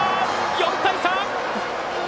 ４対３。